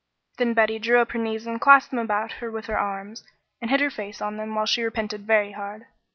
Then Betty drew up her knees and clasped them about with her arms, and hid her face on them while she repented very hard.